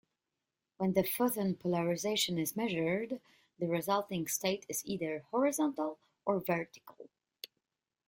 When the photon's polarization is measured, the resulting state is either horizontal or vertical.